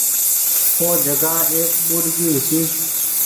او جگآ ايڪ ٻوڏڪي هيتي۔